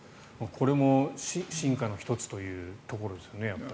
これも進化の１つというところですね。